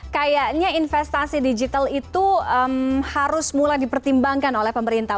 kayaknya investasi digital itu harus mulai dipertimbangkan oleh pemerintah